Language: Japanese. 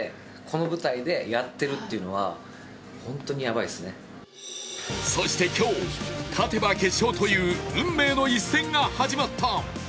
バスケファンはそして今日、勝てば決勝という運命の一戦が始まった。